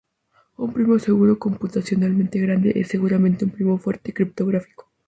Un primo seguro computacionalmente grande es, seguramente, un primo fuerte criptográfico.